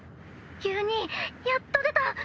夕兄やっと出た！